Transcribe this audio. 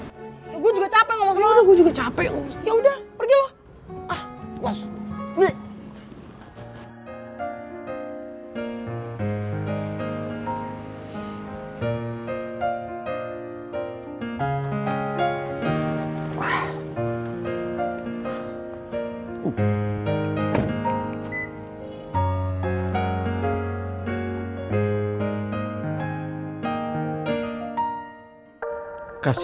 gue juga capek ngomong sama laki laki